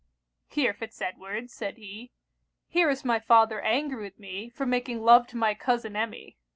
'Here, Fitz Edward,' said he 'here is my father angry with me for making love to my cousin Emmy.